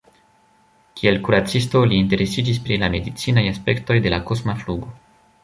Kiel kuracisto, li interesiĝis pri la medicinaj aspektoj de la kosma flugo.